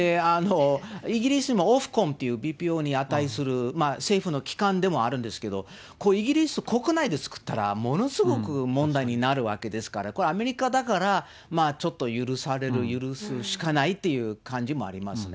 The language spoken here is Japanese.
イギリスのオフコンという、ＢＰＯに値する政府の機関でもあるんですけど、イギリス国内で作ったら、ものすごく問題になるわけですから、これ、アメリカだからちょっと許される、許すしかないという感じもありますね。